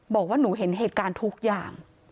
บอกว่าหนูเห็นเหตุการณ์ทุกอย่าง